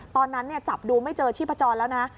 ตอนนั้นจับดูไม่เจอชีพจรแล้วนะ